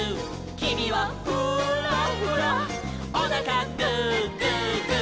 「きみはフーラフラ」「おなかグーグーグー」